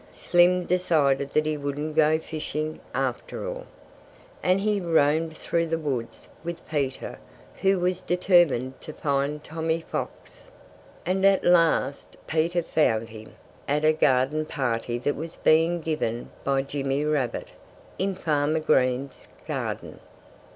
Slim decided that he wouldn't go fishing, after all. And he roamed through the woods with Peter, who was determined to find Tommy Fox. And at last Peter found him, at a garden party that was being given by Jimmy Rabbit, in Farmer Green's garden.